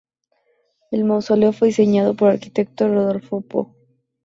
El Mausoleo fue diseñado por Arquitecto Rodolfo Pou.